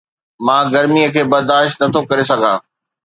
مان گرميءَ کي برداشت نٿو ڪري سگهان